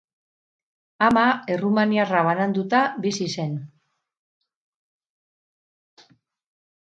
Ama errumaniarra bananduta bizi zen.